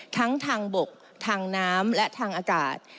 ทั้งทางบกทางน้ำและทางอากาศ